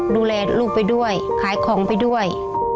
ดูแลลูกไปด้วยขายของไปด้วย